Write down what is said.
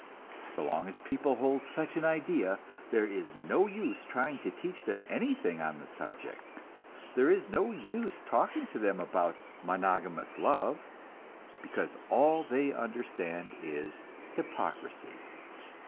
So long as people hold such an idea, there is no use trying to teach them anything on the subject. There is no use talking to them about monogamous love, because all they understand is hypocrisy.